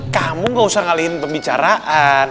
kamu gak usah ngalihin pembicaraan